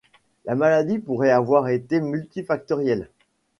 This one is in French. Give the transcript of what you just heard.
La maladie pourrait avoir été multifactorielle.